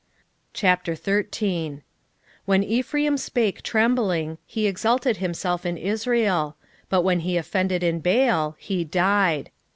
13:1 When Ephraim spake trembling, he exalted himself in Israel; but when he offended in Baal, he died.